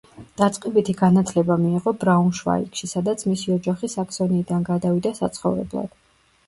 დაწყებითი განათლება მიიღო ბრაუნშვაიგში, სადაც მისი ოჯახი საქსონიიდან გადავიდა საცხოვრებლად.